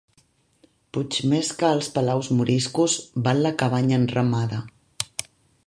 Puix més que els palaus moriscos, val la cabanya enramada.